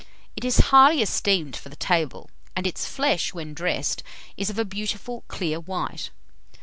It is highly esteemed for the table, and its flesh, when dressed, is of a beautiful clear white.